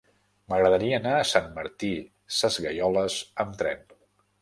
M'agradaria anar a Sant Martí Sesgueioles amb tren.